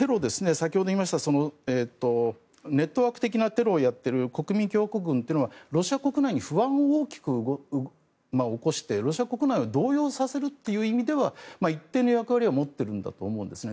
先ほど言いましたネットワーク的なテロをやっている国民共和国軍のテロはロシア国内に不安を大きく起こしてロシア国内を動揺させるという意味では一定の役割は持っていると思うんですね。